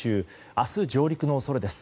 明日上陸の恐れです。